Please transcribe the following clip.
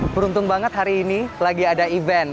beruntung banget hari ini lagi ada event